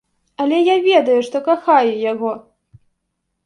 Але я ведаю, што кахаю яго!